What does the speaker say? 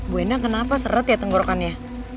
bu enda kenapa seret ya tenggorokannya